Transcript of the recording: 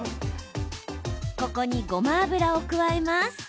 ここに、ごま油を加えます。